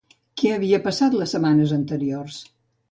Què havia passat les setmanes anteriors?